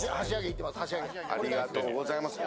ありがとうございます。